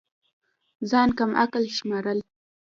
ځان كم عقل شمارل